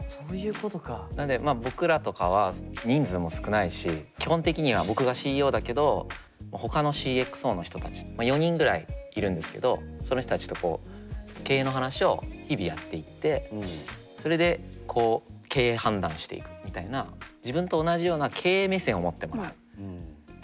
なんでまあ僕らとかは人数も少ないし基本的には僕がＣＥＯだけどほかのＣｘＯの人たち４人ぐらいいるんですけどその人たちとこう経営の話を日々やっていってそれでこう経営判断していくみたいなへえ。